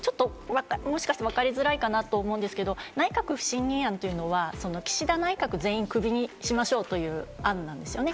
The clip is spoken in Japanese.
もしかしてわかりづらいかなと思うんですけど、内閣不信任案というのは、岸田内閣全員クビにしましょうという案なんですよね。